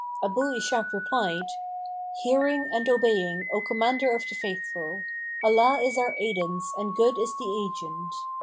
Abu Ishak replied, "Hearing and obeying, O Commander of the Faithful: Allah is our aidance and good is the Agent.